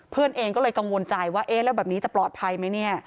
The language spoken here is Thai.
เองก็เลยกังวลใจว่าเอ๊ะแล้วแบบนี้จะปลอดภัยไหมเนี่ย